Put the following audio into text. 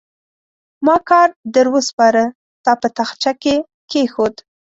ما کار در وسپاره؛ تا په تاخچه کې کېښود.